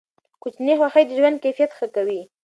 کوچني خوښۍ د ژوند کیفیت ښه کوي.